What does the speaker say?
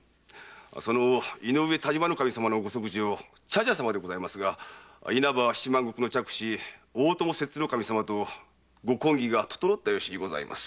その井上但馬守様のご息女・茶々様ですが稲葉七万石の嫡子・大友摂津守様とご婚儀が整った由にございます。